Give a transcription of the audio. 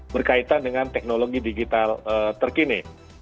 berkaitan dengan teknologi digital terkini